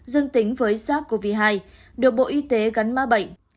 dân tính với sars cov hai được bộ y tế gắn má bệnh